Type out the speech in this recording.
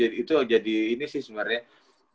itu jadi ini sih sebenarnya